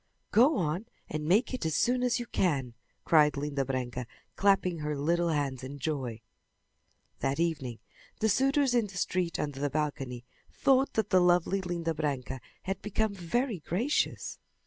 "Go on and make it as soon as you can!" cried Linda Branca, clapping her little hands in joy. That evening the suitors in the street under the balcony thought that the lovely Linda Branca had become very gracious.